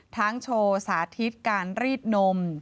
โชว์สาธิตการรีดนม